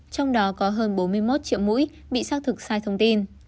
trong đó có hơn bốn mươi một triệu mũi bị xác thực sai thông tin